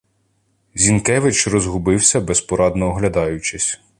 Зінкевич розгубився, безпорадно оглядаючись.